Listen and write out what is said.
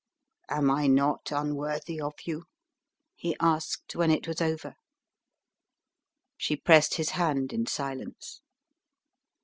"Am I not unworthy of you?" he asked, when it was over. She pressed his hand in silence.